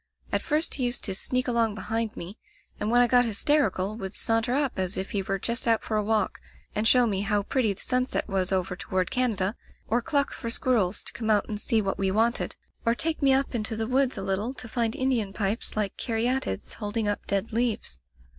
At first he used to sneak along behind me, and when I got hysterical would saunter up as if he Wjcre just out for a walk, and show me how pretty the sunset was over toward Canada, or cluck for squirrels to come out and see what we wanted, or take me up into the woods a little to find Indian pipes like carya tides holding up dead leaves.